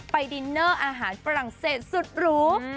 ดินเนอร์อาหารฝรั่งเศสสุดหรู